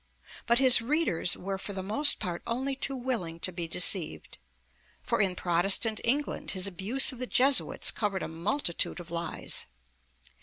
But his readers were for the most part only too willing to be deceived; for in Protestant England his abuse of the Jesuits covered a multitude of lies.